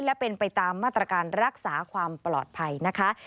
และเป็นไปตามมาตรการรักษาความปลอดภัยนะคะ